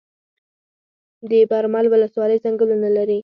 د برمل ولسوالۍ ځنګلونه لري